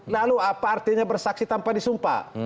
lalu apa artinya bersaksi tanpa disumpah